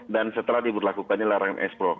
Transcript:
dan setelah diberlakukannya larangan ekspor